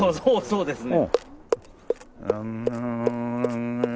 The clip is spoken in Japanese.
そうですね。